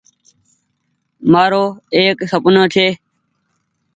مآرو ايڪ سپنو ڇي۔